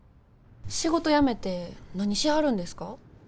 仕事辞めて何しはるんですか？